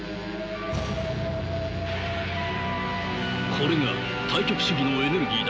これが対極主義のエネルギーだ。